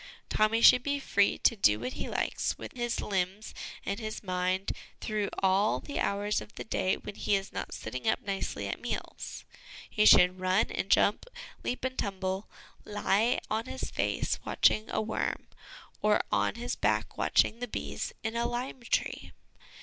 Tommy should be free to do what he likes with his limbs and his mind through all the hours of the day when he is not sitting up nicely at meals. He should run and jump, leap and tumble, lie on his face watching a worm, or on his back watching the bees in a lime tree.